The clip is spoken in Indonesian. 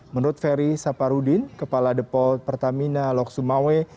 menurut ferry saparudin kepala depot pertamina loksumawai